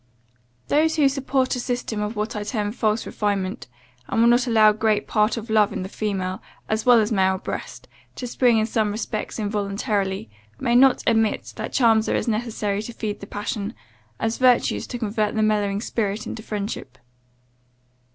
"Those who support a system of what I term false refinement, and will not allow great part of love in the female, as well as male breast, to spring in some respects involuntarily, may not admit that charms are as necessary to feed the passion, as virtues to convert the mellowing spirit into friendship.